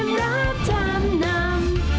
เกมรับท่านน้ำ